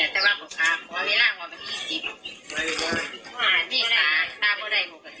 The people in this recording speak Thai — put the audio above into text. ถ้าบนบ่อนั่นถ้าว่าบอกว่ามันที่สิทธิ์ย่ายคือที่สิทธิ์